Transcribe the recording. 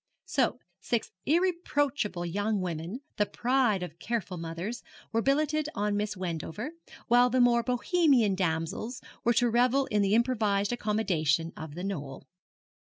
So six irreproachable young women, the pride of careful mothers, were billeted on Miss Wendover, while the more Bohemian damsels were to revel in the improvised accommodation of The Knoll.